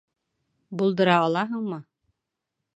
Булдыра алаһыңмы?